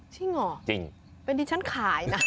จริงเหรอจริงเป็นที่ฉันขายนะ